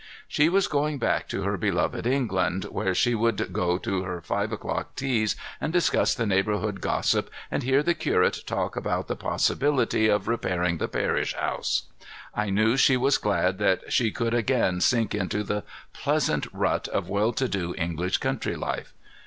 She was going back to her beloved England, where she would go to her five o'clock teas and discuss the neighborhood gossip and hear the curate talk about the possibility of repairing the parish house. I knew she was glad that she could again sink into the pleasant rut of well to do English country life.